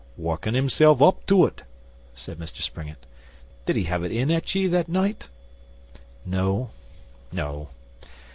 'Workin' himself up to it?' said Mr Springett. 'Did he have it in at ye that night?' 'No, no.